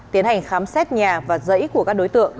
tiến hành khám xét nhà và dãy của các đối tượng